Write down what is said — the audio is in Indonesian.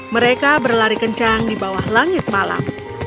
mereka berlari kencang di bawah langit malam